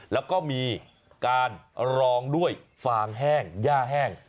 แล้วก็มีการรองด้วยฟางแห้งย่าแห้ง